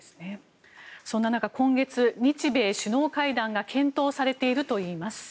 そんな中、今月日米首脳会談が検討されているといいます。